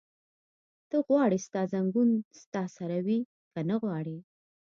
ته غواړې ستا ځنګون ستا سره وي؟ که نه غواړې؟